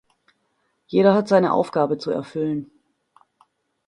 Jeder hat seine Aufgabe zu erfüllen.